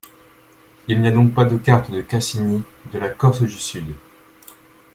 Il n’y a donc pas de Carte de Cassini de la Corse-du-Sud.